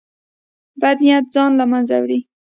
بد نیت ځان له منځه وړي.